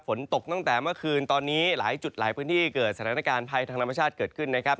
ฝนตกตั้งแต่เมื่อคืนตอนนี้หลายจุดหลายพื้นที่เกิดสถานการณ์ภัยทางธรรมชาติเกิดขึ้นนะครับ